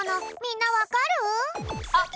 あっ！